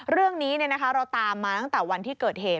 เรื่องนี้เราตามมาตั้งแต่วันที่เกิดเหตุ